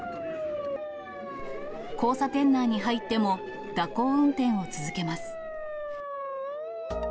交差点内に入っても、蛇行運転を続けます。